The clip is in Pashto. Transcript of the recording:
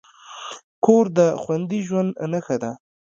کور د خوندي ژوند نښه ده.